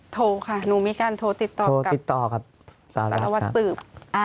โทรค่ะหนูมีการโทรติดต่อกับสารวสืบ